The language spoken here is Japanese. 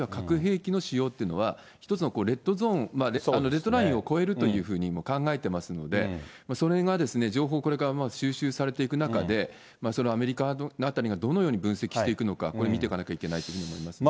レッドラインを越えるというふうに考えてますので、それが情報、これから収拾されていく中で、アメリカあたりがどのように分析していくのか、これ、見ていかなきゃいけないというふうに思いますね。